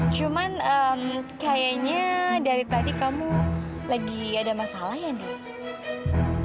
cuman kayaknya dari tadi kamu lagi ada masalah ya deh